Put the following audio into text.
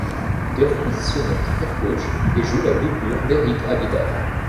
Il est repositionné arrière gauche, et joue la doublure d'Éric Abidal.